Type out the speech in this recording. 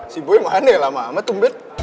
si boy mahannya lama lama tumbet